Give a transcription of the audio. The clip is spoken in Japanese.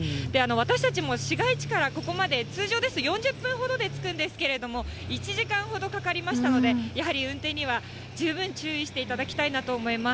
私たちも市街地からここまで、通常ですと４０分ほどで着くんですけれども、１時間ほどかかりましたので、やはり運転には十分注意していただきたいなと思います。